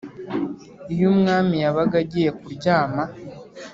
Iyo umwami yabaga agiye kuryama.